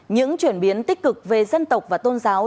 những chuyển biến tích cực về dân tộc và tôn giáo